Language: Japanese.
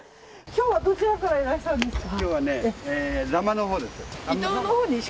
今日はどちらからいらしたんですか。